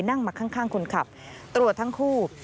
นั่งมาข้างคนขับตรวจทั้งคู่